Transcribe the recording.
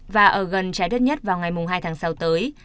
và ở gần trái đất nhất vào ngày hai tháng sáu tới